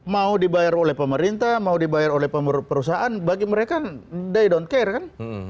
mau dibayar oleh pemerintah mau dibayar oleh perusahaan bagi mereka mereka tidak peduli kan